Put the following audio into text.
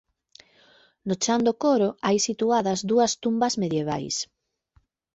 No chan do coro hai situadas dúas tumbas medievais.